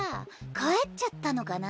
帰っちゃったのかな。